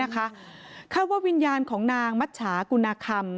คาดว่าวิญญาณของนางมัชชากุณาคำ